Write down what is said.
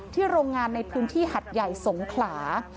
โรงงานในพื้นที่หัดใหญ่สงขลา